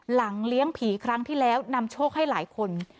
เลี้ยงผีครั้งที่แล้วนำโชคให้หลายคน